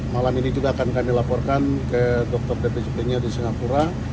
malam ini juga akan kami laporkan ke dokter d p jepenya di singapura